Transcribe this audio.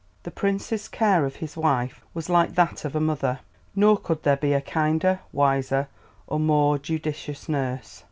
The Prince's care of his wife "was like that of a mother, nor could there be a kinder, wiser, or more judicious nurse."